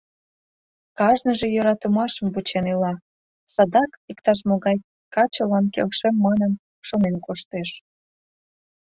Кажныже йӧратымашым вучен ила, садак иктаж-могай качылан келшем манын, шонен коштеш.